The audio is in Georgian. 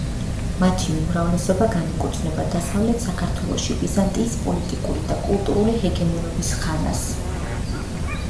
მათი უმრავლესობა განეკუთვნება დასავლეთ საქართველოში ბიზანტიის პოლიტიკური და კულტურული ჰეგემონობის ხანას.